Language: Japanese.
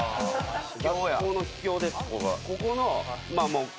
学校の秘境です。